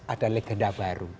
ada legenda baru